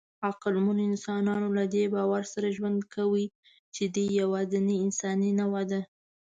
عقلمنو انسانانو له دې باور سره ژوند کړی، چې دی یواځینۍ انساني نوعه ده.